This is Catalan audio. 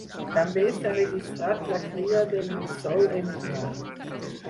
També s'ha registrat la cria del mussol emigrant.